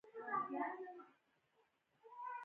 نه پوهېږم ولې یې راوغورځاوه، شاید بم غورځول ورته خوند ورکاوه.